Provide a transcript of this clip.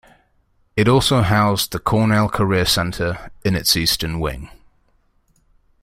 It also housed the Cornell Career Center in its eastern wing.